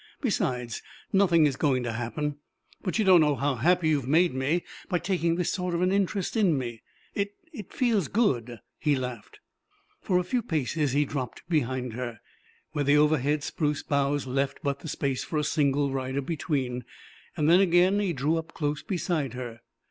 "Besides, nothing is going to happen. But you don't know how happy you have made me by taking this sort of an interest in me. It it feels good," he laughed. For a few paces he dropped behind her, where the overhead spruce boughs left but the space for a single rider between. Then, again, he drew up close beside her.